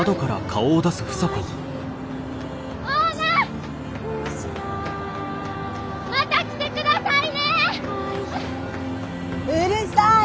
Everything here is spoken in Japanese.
必ずまた来てください！